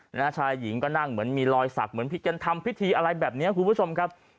หน้าชายหญิงก็นั่งเหมือนมีรอยสักเหมือนผิดกันทำพิธีอะไรแบบนี้คุณผู้ชมครับ